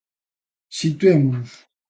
Situémonos.